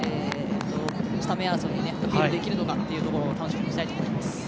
スタメン争いにアピールできるのかというところを楽しみにしたいと思います。